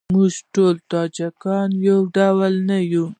موږ ټول تاجیکان یو ډول نه یوو.